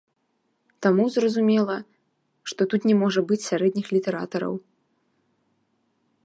Таму, зразумела, што тут не можа быць сярэдніх літаратараў.